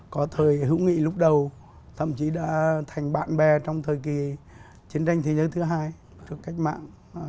có thời hữu nghị lúc đầu thậm chí đã thành bạn bè trong thời kỳ chiến tranh thế giới thứ hai của cách mạng